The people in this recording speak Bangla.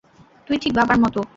তুই ঠিক বাবার মতো!